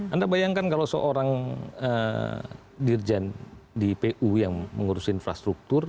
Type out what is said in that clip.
anda bayangkan kalau seorang dirjen di pu yang mengurus infrastruktur